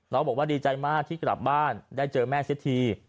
บอกว่าดีใจมากที่กลับบ้านได้เจอแม่เสียที